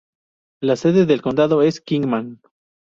La sede del condado es Kingman.